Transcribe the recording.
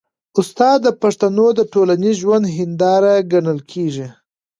استاد د پښتنو د ټولنیز ژوند هنداره ګڼل کېږي.